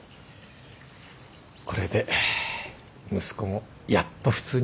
これで息子もやっと普通になれた。